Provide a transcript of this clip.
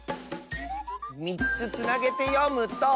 ３つつなげてよむと。